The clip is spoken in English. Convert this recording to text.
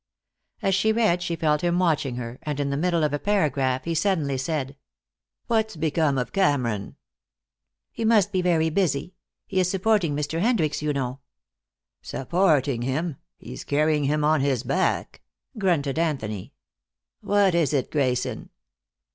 As she read she felt him watching her, and in the middle of a paragraph he suddenly said: "What's become of Cameron?" "He must be very busy. He is supporting Mr. Hendricks, you know." "Supporting him! He's carrying him on his back," grunted Anthony. "What is it, Grayson?"